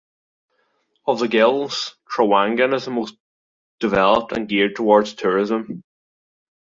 Of the Gilis, Trawangan is the most developed and geared towards tourism.